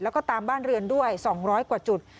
แล้วก็ตามบ้านเรือนด้วย๒๐๐กว่าจุด